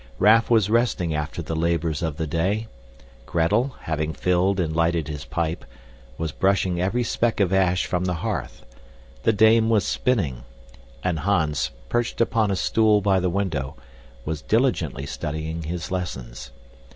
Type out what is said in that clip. Raff was resting after the labors of the day; Gretel, having filled and lighted his pipe, was brushing every speck of ash from the hearth; the dame was spinning; and Hans, perched upon a stool by the window, was diligently studying his lessons.